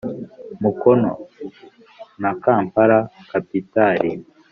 mukono na kampala kapitali